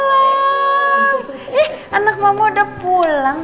eh anak mama udah pulang